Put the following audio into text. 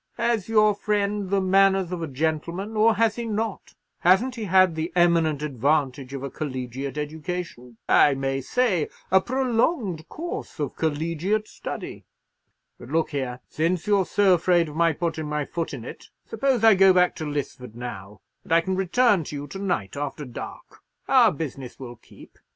"Has your friend the manners of a gentleman, or has he not? Hasn't he had the eminent advantage of a collegiate education—I may say, a prolongued course of collegiate study? But look here, since you're so afraid of my putting my foot in it, suppose I go back to Lisford now, and I can return to you to night after dark. Our business will keep.